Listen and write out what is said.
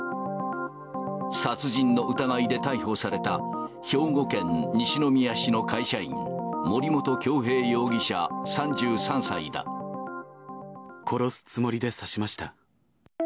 殺人の疑いで逮捕された、兵庫県西宮市の会社員、殺すつもりで刺しました。